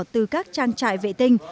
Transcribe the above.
từ các trang trại vệ tinh